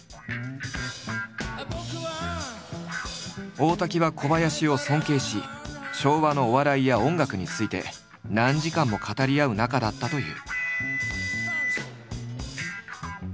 大滝は小林を尊敬し昭和のお笑いや音楽について何時間も語り合う仲だったという。